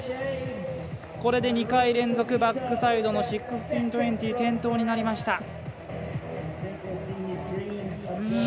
これで２回連続バックサイドの１６２０転倒になりました。